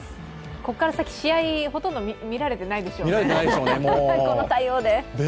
ここから先、試合ほとんど見られてないでしょうね、この対応で。